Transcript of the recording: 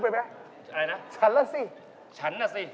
ไม่ใช่นี่